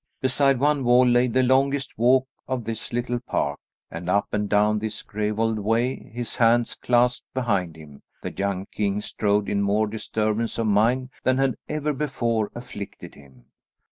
Beside one wall lay the longest walk of this little park, and up and down this gravelled way, his hands clasped behind him, the young king strode in more disturbance of mind than had ever before afflicted him.